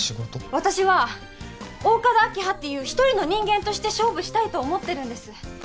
私は大加戸明葉っていう一人の人間として勝負したいと思ってるんです